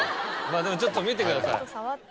まぁでもちょっと見てください。